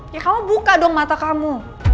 ya kamu buka dong mata kamu